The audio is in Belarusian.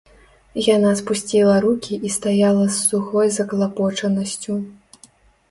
Яна спусціла рукі і стаяла з сухой заклапочанасцю.